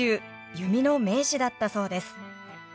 弓の名手だったそうです。